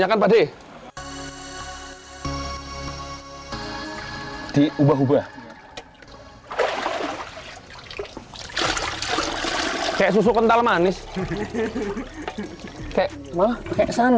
agar matang dan bisa dicetak menggunakan mesin